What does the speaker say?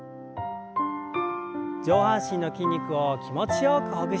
上半身の筋肉を気持ちよくほぐしてください。